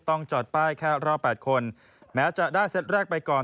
จอดป้ายแค่รอบ๘คนแม้จะได้เซตแรกไปก่อน